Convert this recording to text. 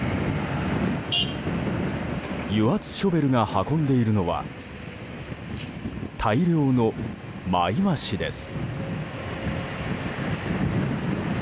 油圧ショベルが運んでいるのは大量のマイワシです。